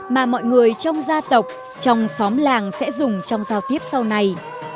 mà mọi người trong gia tộc trong xóm làng sẽ dùng trong giao tiếp sau này